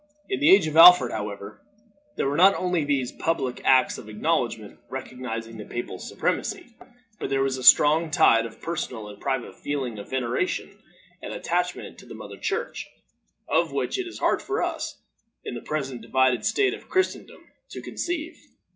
In the age of Alfred, however, there were not only these public acts of acknowledgment recognizing the papal supremacy, but there was a strong tide of personal and private feeling of veneration and attachment to the mother Church, of which it is hard for us, in the present divided state of Christendom, to conceive.